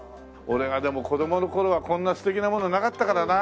俺がでも子供の頃はこんな素敵なものなかったからなあ。